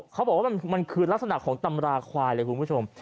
เขาบอกว่ามันคือลักษณะของตำราควายเลยคุณผู้ชม